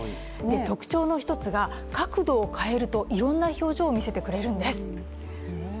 特徴の一つが、角度を変えるといろんな表情を見せてくれるんです。